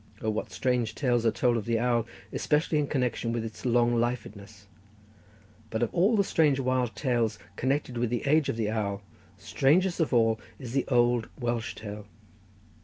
Oh, what strange tales are told of the owl, especially in connection with its long lifedness; but of all the strange, wild tales connected with the age of the owl, strangest of all is the old Welsh tale.